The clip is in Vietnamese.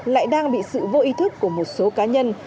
lại đang bị sự vô ý thức của một số cá nhân